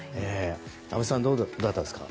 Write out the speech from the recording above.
安部さん、どうだったですか。